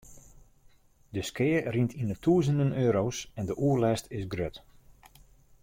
De skea rint yn 'e tûzenen euro's en de oerlêst is grut.